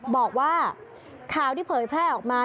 บอกว่าข่าวที่เผยแพร่ออกมา